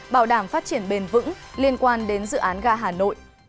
bảo đảm phát triển bền vững liên quan đến dự án ga hà nội